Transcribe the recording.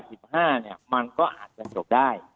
เนี่ยมันก็อาจจะจบได้